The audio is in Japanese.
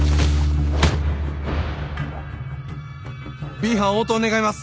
Ｂ班応答願います。